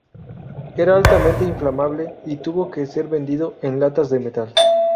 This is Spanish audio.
Era altamente inflamable y tuvo que ser vendido en latas de metal.